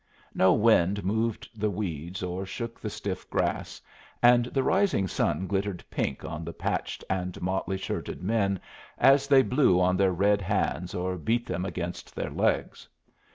No wind moved the weeds or shook the stiff grass, and the rising sun glittered pink on the patched and motley shirted men as they blew on their red hands or beat them against their legs.